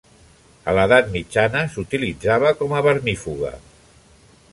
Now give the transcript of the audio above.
A l'Edat Mitjana s'utilitzava com a vermífuga.